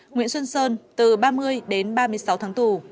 nguyễn xuân sơn từ ba mươi đến ba mươi sáu tháng tù